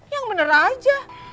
yang bener aja